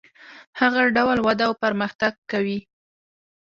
هغه ډول وده او پرمختګ کوي.